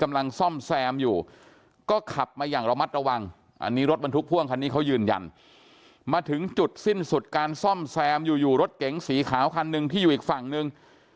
อันนี้รถมันทุกพ่วงคันนี้เขายืนยันมาถึงจุดสิ้นสุดการซ่อมแซมอยู่รถเก๋งสีขาวคันนึงที่อยู่อีกฝั่งนึง